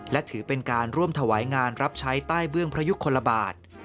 และถือเป็นการร่วมถวายงานรับใช้ใต้เบื้องพระยุคลบาท